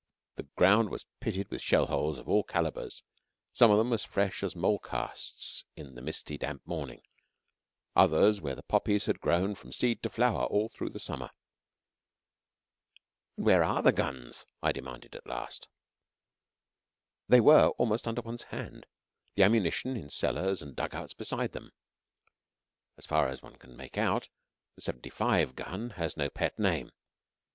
The ground was pitted with shell holes of all calibres some of them as fresh as mole casts in the misty damp morning; others where the poppies had grown from seed to flower all through the summer. "And where are the guns?" I demanded at last. They were almost under one's hand, their ammunition in cellars and dug outs beside them. As far as one can make out, the 75 gun has no pet name.